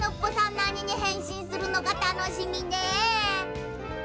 なににへんしんするのかたのしみね。